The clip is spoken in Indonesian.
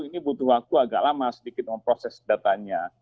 ini butuh waktu agak lama sedikit memproses datanya